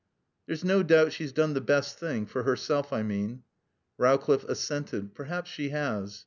"There's no doubt she's done the best thing. For herself, I mean." Rowcliffe assented. "Perhaps she has."